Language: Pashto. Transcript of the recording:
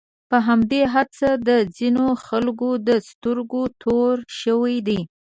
په همدې هڅو د ځینو خلکو د سترګو تور شوی دی.